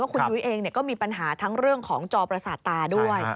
คุณยุ้ยเองก็มีปัญหาทั้งเรื่องของจอประสาทตาด้วย